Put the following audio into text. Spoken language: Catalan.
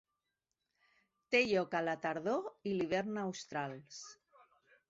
Té lloc a la tardor i l'hivern australs.